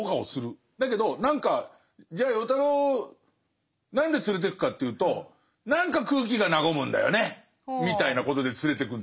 だけど何かじゃあ与太郎何で連れてくかというと何か空気が和むんだよねみたいなことで連れてくんですね。